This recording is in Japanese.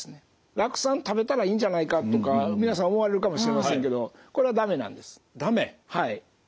酪酸食べたらいいんじゃないかとか皆さん思われるかもしれませんけどこれは駄目なんです。